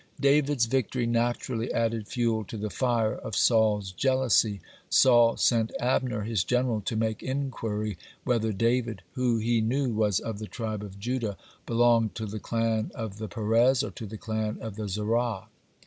David's victory naturally added fuel to the fire of Saul's jealousy. Saul sent Abner, his general, to make inquiry whether David, who, he knew, was of the tribe of Judah, belonged to the clan of the Perez or to the clan of the Zerah.